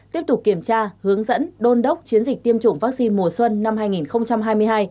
tiếp tục kiểm tra hướng dẫn đôn đốc chiến dịch tiêm chủng vaccine mùa xuân năm hai nghìn hai mươi hai